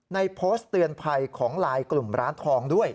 โพสต์เตือนภัยของไลน์กลุ่มร้านทองด้วย